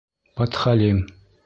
Подхалим!